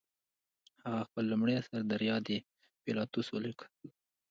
هغه خپل لومړی اثر دریا د پیلاتوس ولیکه.